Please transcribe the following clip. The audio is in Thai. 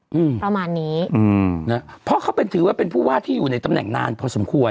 อืมประมาณนี้อืมนะเพราะเขาเป็นถือว่าเป็นผู้ว่าที่อยู่ในตำแหน่งนานพอสมควร